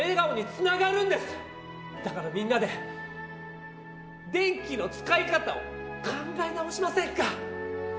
だからみんなで電気の使い方を考え直しませんか？